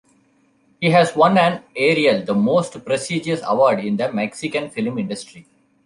He has won an Ariel, the most prestigious award in the Mexican film industry.